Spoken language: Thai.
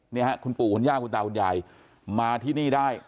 เนี่ยฮะคุณปู่คุณย่าคุณตาคุณยายมาที่นี่ได้